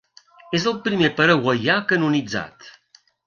És el primer paraguaià canonitzat.